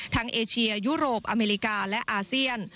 เอเชียยุโรปอเมริกาและอาเซียน